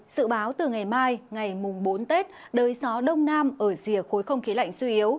sự báo từ ngày mai ngày mùng bốn tết đới gió đông nam ở rìa khối không khí lạnh suy yếu